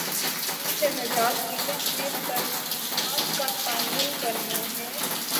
ان سے نجات کے لیے ہمیں ترجیحات کا تعین کرنا ہے۔